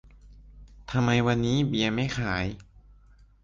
ทำไมวันนี้เบียร์ไม่ขาย